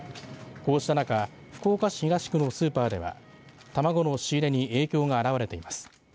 こうした中福岡市東区のスーパーでは卵の仕入れに影響が表れています。